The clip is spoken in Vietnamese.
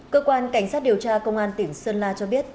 cơ quan cảnh sát điều tra công an tỉnh sơn la cho biết